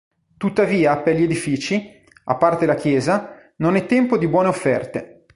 Tuttavia per gli edifici, a parte la chiesa, non è tempo di buone offerte.